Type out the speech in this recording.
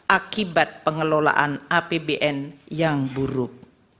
akibat pengelolaan apbn yang buruk